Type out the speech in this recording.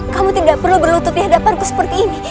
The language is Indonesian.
kamu tidak perlu berlutut di hadapanku seperti ini